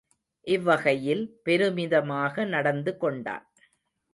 இவ்வகையில் பெருமிதமாக நடந்து கொண்டான்.